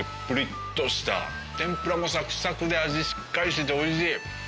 天ぷらもサクサクで味しっかりしてておいしい！